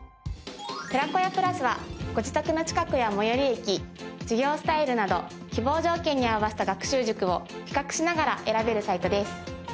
テラコヤプラスはご自宅の近くや最寄り駅授業スタイルなど希望条件に合わせた学習塾を比較しながら選べるサイトです。